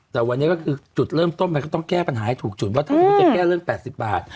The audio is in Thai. แต่วันนี้ก็คือจุดเริ่มต้นมันก็ต้องแก้ปัญหาให้ถูกจุดว่าถ้าสมมุติจะแก้เรื่อง๘๐บาท